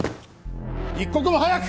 一刻も早く！